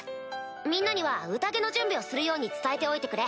みんなには宴の準備をするように伝えておいてくれ。